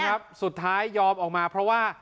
ครับสุดท้ายยอมออกมาเพราะว่า